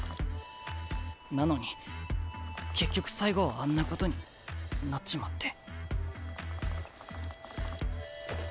なのに結局最後はあんなことになっちまって。